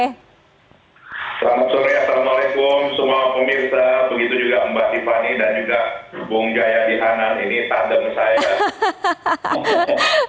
selamat sore assalamualaikum semua pemirsa begitu juga mbak tiffany dan juga bung jayadi hanan ini tandem saya